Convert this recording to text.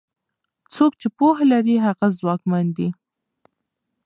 څوک چې پوهه لري هغه ځواکمن دی.